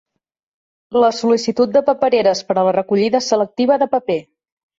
La sol·licitud de papereres per a la recollida selectiva de paper.